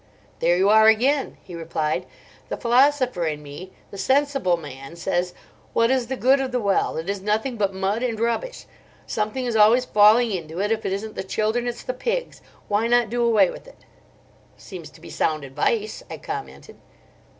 "There you are again," he replied. "The philosopher in me—the sensible man—says, 'What is the good of the well? It is nothing but mud and rubbish. Something is always falling into it—if it isn't the children it's the pigs. Why not do away with it?'" "Seems to be sound advice," I commented.